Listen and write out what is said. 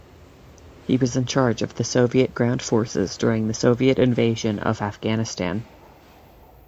He was in charge of Soviet ground forces during the Soviet invasion of Afghanistan.